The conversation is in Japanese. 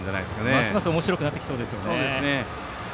ますますおもしろくなってきそうですよね。